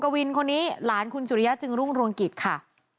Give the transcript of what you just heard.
วินคนนี้หลานคุณสุริยะจึงรุ่งรวงกิจค่ะ